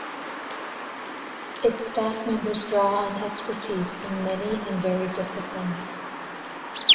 Its staff members draw on expertise in many and varied disciplines.